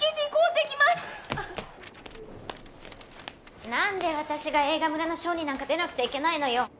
・何で私が映画村のショーになんか出なくちゃいけないのよ！